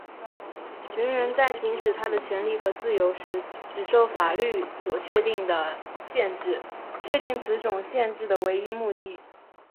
人人在行使他的权利和自由时,只受法律所确定的限制,确定此种限制的唯一目的在于保证对旁人的权利和自由给予应有的承认和尊重,并在一个民主的社会中适应道德、公共秩序和普遍福利的正当需要。